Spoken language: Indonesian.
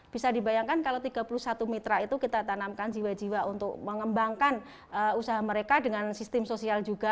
bisa dibayangkan kalau tiga puluh satu mitra itu kita tanamkan jiwa jiwa untuk mengembangkan usaha mereka dengan sistem sosial juga